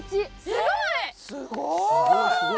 すごい！